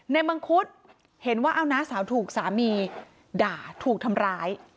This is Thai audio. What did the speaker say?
มังคุดเห็นว่าเอาน้าสาวถูกสามีด่าถูกทำร้าย